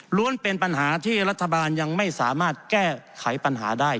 ้วนเป็นปัญหาที่รัฐบาลยังไม่สามารถแก้ไขปัญหาได้